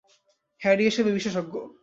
Harry এসবে বিশেষজ্ঞ।